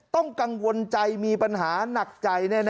ต้องกังวลใจมีปัญหานักใจแน่